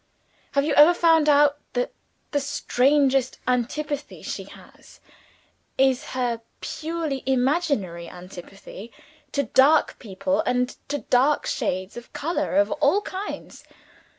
"Have you ever found out that the strongest antipathy she has, is her purely imaginary antipathy to dark people and to dark shades of color of all kinds?